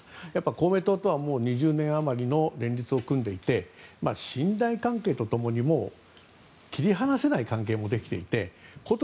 公明党とは２０年余り連立を組んでいて信頼関係と共に切り離せない関係もできていてこと